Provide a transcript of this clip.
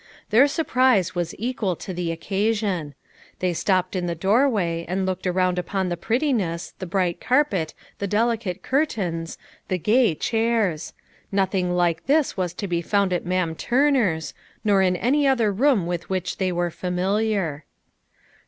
Their surprise was equal to the occasion. They stopped in the doorway, and looked around upon the prettiness, the bright carpet, the delicate curtains, the gay chairs ! nothing like this was to be found at Ma'am Turner's, nor in any other room with which they were familiar.